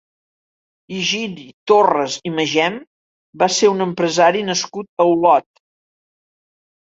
Higini Torras i Magem va ser un empresari nascut a Olot.